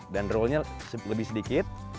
dan roll nya lebih sedikit